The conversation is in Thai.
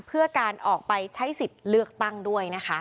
เพื่อการออกไปใช้สิทธิ์เลือกตั้งด้วยนะคะ